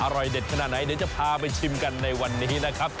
อร่อยเด็ดขนาดไหนเดี๋ยวจะพาไปชิมกันในวันนี้นะครับ